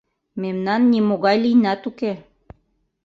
— Мемнан нимогай лийнат уке.